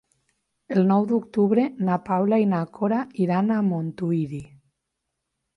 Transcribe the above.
El nou d'octubre na Paula i na Cora iran a Montuïri.